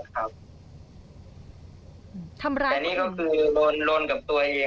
แต่นี่เขาคือโรนกับตัวเองวันนี้ครับ